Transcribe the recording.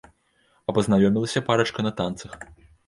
А пазнаёмілася парачка на танцах.